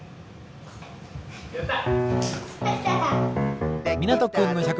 やった！